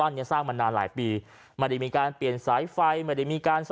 บ้านเนี่ยสร้างมานานหลายปีมาดีมีการ